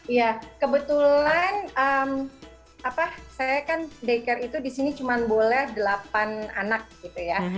iya kebetulan saya kan daycare itu di sini cuma boleh delapan anak gitu ya